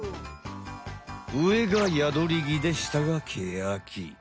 うえがヤドリギでしたがケヤキ。